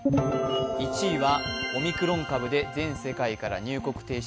１位はオミクロン株で、全世界から入国停止。